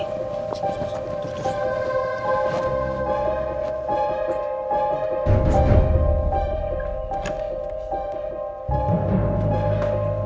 terima kasih tante